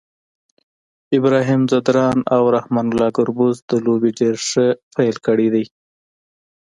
ابراهیم ځدراڼ او رحمان الله ګربز د لوبي ډير ښه پیل کړی دی